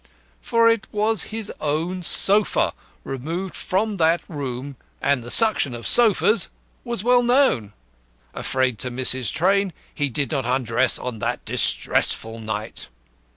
For it was his own sofa, removed from that room, and the suction of sofas was well known. Afraid to miss his train, he did not undress on that distressful night.